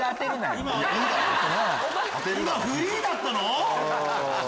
今フリーだったの？